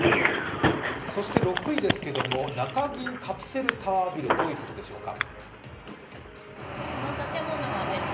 そして６位ですけど、中銀カプセルタワービル、どういうことでしょうか？